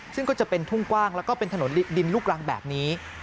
ซึ่งก็จะเป็นทุ่งกว้างแล้วก็เป็นถนนดินลูกรังแบบนี้